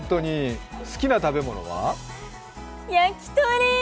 焼き鳥。